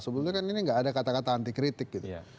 sebetulnya kan ini nggak ada kata kata anti kritik gitu